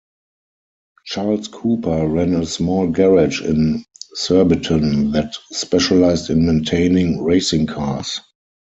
Charles Cooper ran a small garage in Surbiton that specialised in maintaining racing cars.